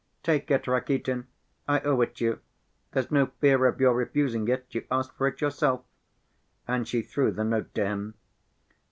"Take it. Rakitin, I owe it you, there's no fear of your refusing it, you asked for it yourself." And she threw the note to him.